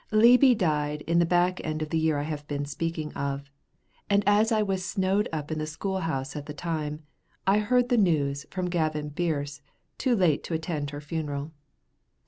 Leeby died in the back end of the year I have been speaking of, and as I was snowed up in the school house at the time, I heard the news from Gavin Birse too late to attend her funeral.